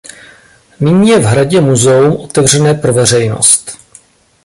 Nyní je v hradě muzeum otevřené pro veřejnost.